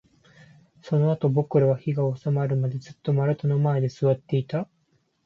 そのあと、僕らは火が収まるまで、ずっと丸太の前で座っていた